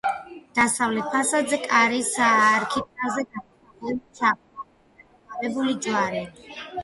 დასავლეთ ფასადზე კარის არქიტრავზე გამოსახულია ჩაღრმავებული აყვავებული ჯვარი.